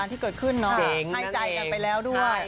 ภายใจกันไปแล้วด้วย